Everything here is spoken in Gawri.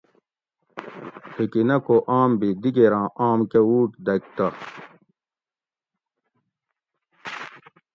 ہِکی نہ کو آم بھی دِگیراں آم کہ ووٹ دگ تہ